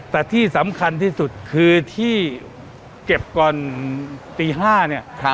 แต่ที่สำคัญที่สุดคือที่เก็บก่อนตี๕เนี่ย